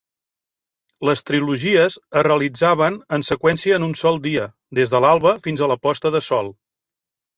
Les trilogies es realitzaven en seqüència en un sol dia, des de l"alba fins a la posta de sol.